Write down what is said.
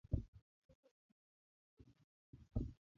لاسي څراغ مړ شو او کوټه تیاره شوه